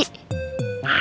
domang asah ya